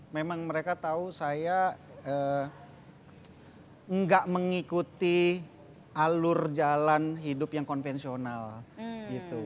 memang mereka tahu saya nggak mengikuti alur jalan hidup yang konvensional gitu